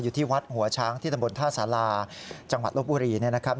อยู่ที่วัดหัวช้างที่ตำบลท่าสาราจังหวัดลบบุรีเนี่ยนะครับ